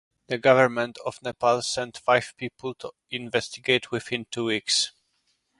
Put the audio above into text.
The government of Nepal sent five people to investigate within two weeks.